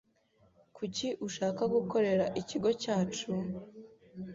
Kuki ushaka gukorera ikigo cyacu?